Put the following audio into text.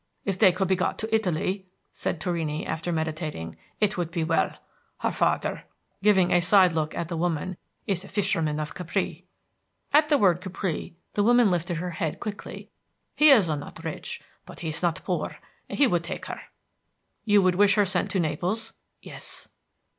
"If they could be got to Italy," said Torrini, after meditating, "it would be well. Her farther," giving a side look at the woman, "is a fisherman of Capri." At the word Capri the woman lifted her head quickly. "He is not rich, but he's not poor; he would take her." "You would wish her sent to Naples?" "Yes."